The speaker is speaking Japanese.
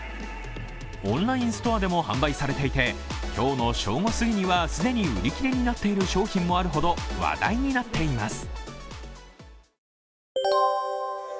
オンラインストアでも販売されていて、今日の正午すぎには既に売り切れになっている商品もあるほど話題になっています。